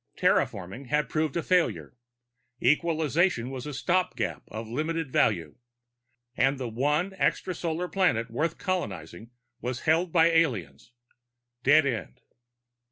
Terraforming had proved a failure, equalization was a stopgap of limited value, and the one extrasolar planet worth colonizing was held by aliens. Dead end.